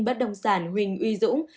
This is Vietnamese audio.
bất đồng sản huỳnh uy dũng